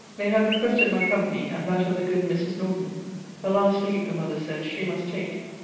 They had requested my company, and that of the good Mrs. Norton. A last leave, the mother said, she must take.